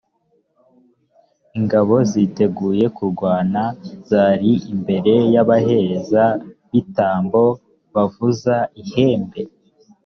ingabo ziteguye kurwana zari imbere y’abaherezabitambo bavuza ihembe.